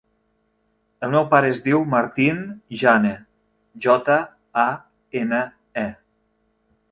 El meu pare es diu Martín Jane: jota, a, ena, e.